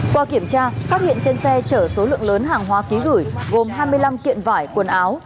qua kiểm tra phát hiện trên xe chở số lượng lớn hàng hóa ký gửi gồm hai mươi năm kiện vải quần áo